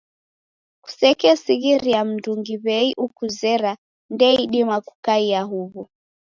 Kusekesighiria mndungi w'ei ukuzere ndeidima kukaia huw'o.